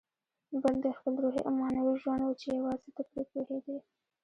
بل دې خپل روحي او معنوي ژوند و چې یوازې ته پرې پوهېدې.